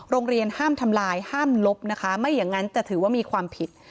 โรงเรียนห้ามทำลายห้ามลบนะคะไม่อย่างนั้นจะถือว่ามีความผิด